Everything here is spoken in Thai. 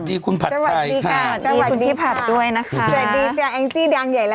สวัสดีคุณผัดขายค่ะสวัสดีค่ะ